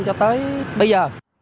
cho tới bây giờ